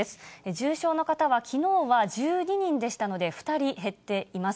重症の方は、きのうは１２人でしたので２人減っています。